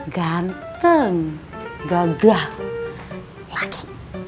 ganteng gagah laki